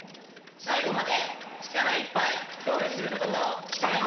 最後まで力いっぱい競技することを誓います。